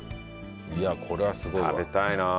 いやこれはすごいわ。